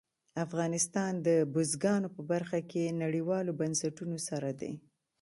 افغانستان د بزګانو په برخه کې نړیوالو بنسټونو سره دی.